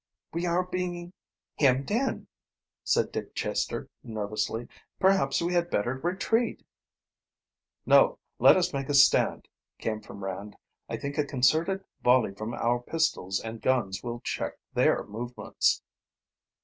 "We are being hemmed in," said Dick Chester nervously. "Perhaps we had better retreat." "No, let us make a stand," came from Rand. "I think a concerted volley from our pistols and guns will check their movements."